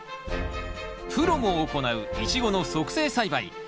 プロも行うイチゴの促成栽培。